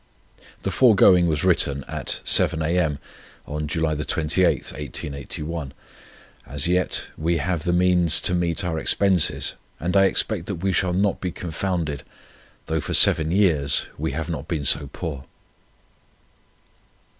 "The foregoing was written at 7 A. M. July 28, 1881. As yet we have the means to meet our expenses, and I expect that we shall not be confounded, though for seven years we have not been so poor."